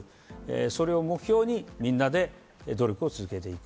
それを目標にみんなで努力を続けていく。